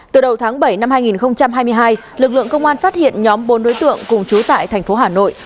từ đầu tháng bảy năm hai nghìn hai mươi hai lực lượng công an phát hiện nhóm bốn đối tượng cùng trú tại thành phố hà nội